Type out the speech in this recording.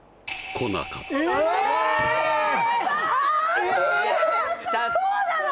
あそうなの！？